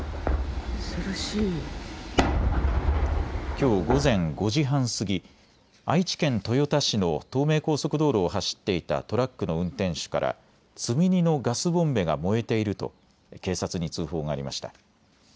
きょう午前５時半過ぎ、愛知県豊田市の東名高速道路を走っていたトラックの運転手から積み荷のガスボンベが燃えていると警察に通報がありました。